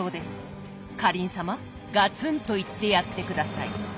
かりん様ガツンと言ってやって下さい。